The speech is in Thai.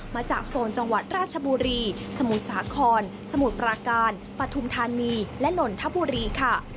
โซนจังหวัดราชบุรีสมุทรสาครสมุทรปราการปฐุมธานีและนนทบุรีค่ะ